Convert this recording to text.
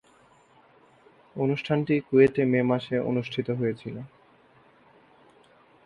অনুষ্ঠানটি কুয়েটে মে মাসে অনুষ্ঠিত হয়েছিলো।